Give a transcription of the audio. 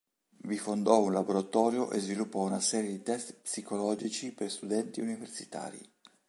Vi fondò un laboratorio e sviluppò una serie di test psicologici per studenti universitari.